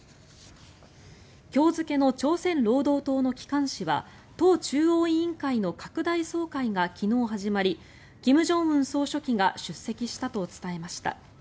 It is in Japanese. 今日付の朝鮮労働党の機関紙は党中央委員会の拡大総会が昨日、始まり金正恩総書記が出席したと伝えました。